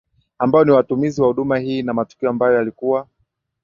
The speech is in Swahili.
Ambao ni watumizi wa huduma hii na matukio ambayo yalikuwa